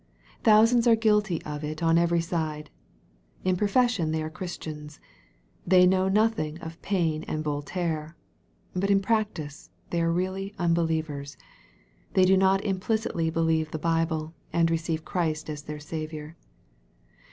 Thousands are guilty of it on every side. In profession they are Christians. They know nothing of Paine and Voltaire. But in practice they are really unbelievers. They do not implicitly be lieve the Bible, and receive Christ as their Saviour.